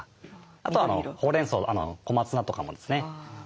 あとほうれんそう小松菜とかもですね。